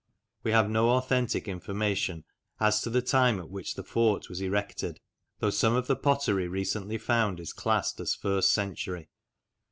We have no authentic information as to the time at which the fort was erected, though some of the pottery recently found is classed as first century.